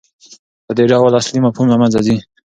په دې ډول اصلي مفهوم له منځه ځي.